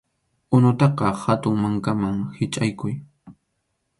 Unutaqa hatun mankaman hichʼaykuy.